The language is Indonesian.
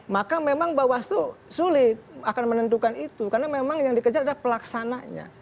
maka memang bawaslu sulit akan menentukan itu karena memang yang dikejar adalah pelaksananya